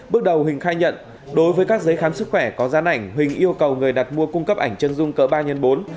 bước đầu huỳnh khai nhận đối với các giấy khám sức khỏe có gián ảnh huỳnh yêu cầu người đặt mua cung cấp ảnh chân dung cỡ ba x bốn